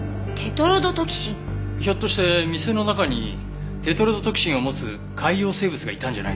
ひょっとして店の中にテトロドトキシンを持つ海洋生物がいたんじゃないでしょうか？